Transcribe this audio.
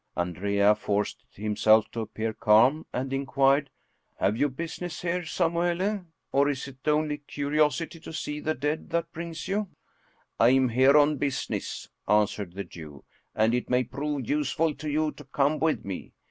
Andrea forced himself to appear calm, and inquired, " Have you business here, Samuele? or is it only curiosity to see the dead that brings you?" " I am here on business," answered the Jew, " and it may prove useful to you to come with me.